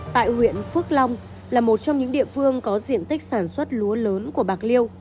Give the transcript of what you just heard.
tại huyện phước long là một trong những địa phương có diện tích sản xuất lúa lớn của bạc liêu